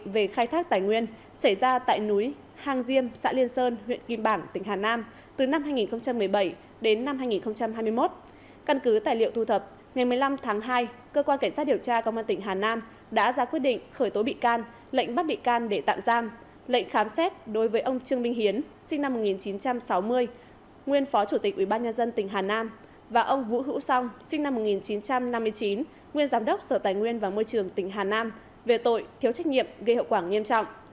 và ông vũ hữu song sinh năm một nghìn chín trăm năm mươi chín nguyên giám đốc sở tài nguyên và môi trường tỉnh hà nam về tội thiếu trách nhiệm gây hậu quả nghiêm trọng